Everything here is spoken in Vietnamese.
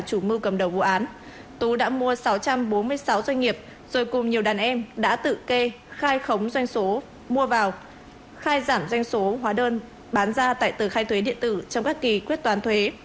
chủ mưu cầm đầu vụ án tú đã mua sáu trăm bốn mươi sáu doanh nghiệp rồi cùng nhiều đàn em đã tự kê khai khống doanh số mua vào khai giảm doanh số hóa đơn bán ra tại tờ khai thuế điện tử trong các kỳ quyết toán thuế